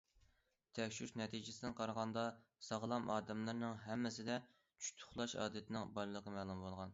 تەكشۈرۈش نەتىجىسىدىن قارىغاندا، ساغلام ئادەملەرنىڭ ھەممىسىدە چۈشتە ئۇخلاش ئادىتىنىڭ بارلىقى مەلۇم بولغان.